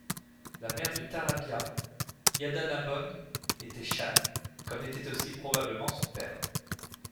La mère de Tarabya, Yadanabon, était shane, comme l'était aussi probablement son père.